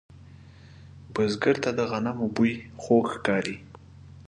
بزګر ته د غنمو بوی خوږ ښکاري